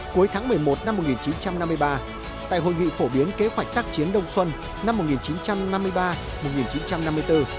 cuối tháng một mươi một năm một nghìn chín trăm năm mươi ba tại hội nghị phổ biến kế hoạch tác chiến đông xuân năm một nghìn chín trăm năm mươi ba một nghìn chín trăm năm mươi bốn